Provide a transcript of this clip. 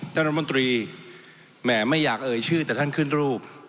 รัฐมนตรีแหมไม่อยากเอ่ยชื่อแต่ท่านขึ้นรูป